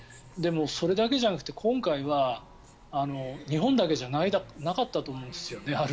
でもそれだけじゃなくて今回は日本だけじゃなかったと思うんですよね。